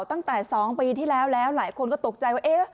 ตั้งแต่๒ปีที่แล้วแล้วหลายคนก็ตกใจว่า